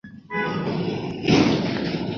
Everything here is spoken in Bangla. তার খারাপ লাগবে না।